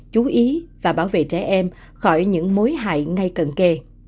chú ý và bảo vệ trẻ em khỏi những mối hại ngay cận kề